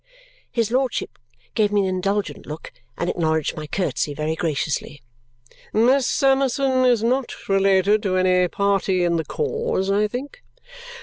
His lordship gave me an indulgent look and acknowledged my curtsy very graciously. "Miss Summerson is not related to any party in the cause, I think?"